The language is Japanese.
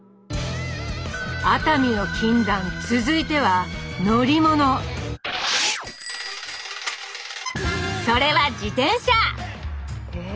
熱海の禁断続いては乗り物それは自転車！